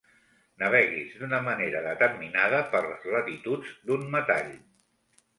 Naveguis d'una manera determinada per les latituds d'un metall.